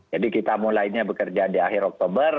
kita mulainya bekerja di akhir oktober